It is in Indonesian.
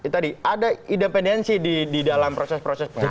tadi ada independensi di dalam proses proses